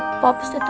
moms dateng lagi